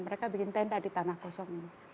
mereka bikin tenda di tanah kosong ini